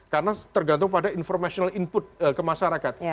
karena tergantung pada informational input ke masyarakat